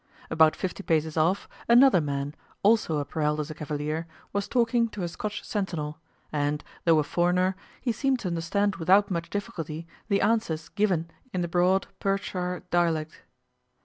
About fifty paces off, another man, also appareled as a cavalier, was talking to a Scotch sentinel, and, though a foreigner, he seemed to understand without much difficulty the answers given in the broad Perthshire dialect.